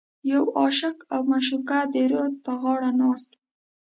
یو عاشق او معشوقه د رود په غاړه ناست و.